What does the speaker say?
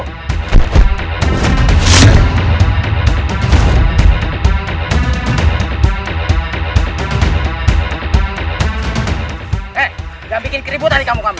hei jangan bikin keribut tadi kamu kamu